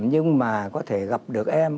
nhưng mà có thể gặp được em